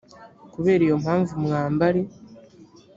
kubera iyo mpamvu mwambare